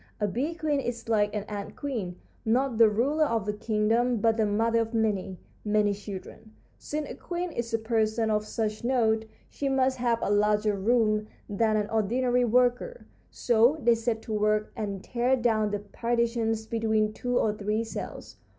A bee queen is like an ant queen, not the ruler of a kingdom, but the mother of many, many children. Since a queen is a person of such note, she must have a larger room than an ordinary worker, so they set to work and tear down the partitions between two or three cells.